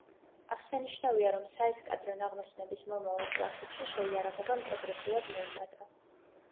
აღსანიშნავია, რომ საესკადრო ნაღმოსნების მომავალ კლასებში შეიარაღებამ პროგრესულად მოიმატა.